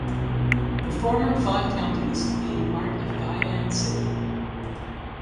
The former five counties being part of Guyuan city.